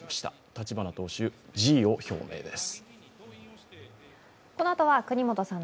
立花党首、辞意を表明です。